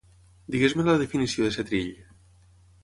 Digues-me la definició de setrill.